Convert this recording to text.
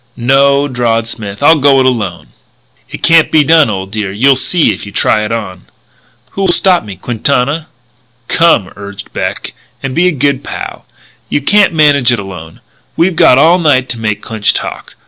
"No," drawled Smith, "I'll go it alone." "It can't be done, old dear. You'll see if you try it on." "Who'll stop me? Quintana?" "Come," urged Beck, "and be a good pal. You can't manage it alone. We've got all night to make Clinch talk.